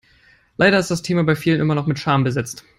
Leider ist das Thema bei vielen immer noch mit Scham besetzt.